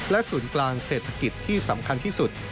และศูนย์กลางเศรษฐกิจที่สำคัญที่สุด